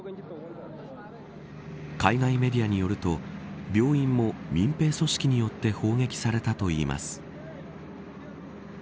海外メディアによると病院も民兵組織によって砲撃されたといいます。